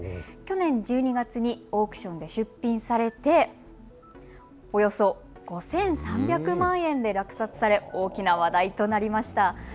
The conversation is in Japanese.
去年１２月にオークションで出品されておよそ５３００万円で落札され大きな話題となりました。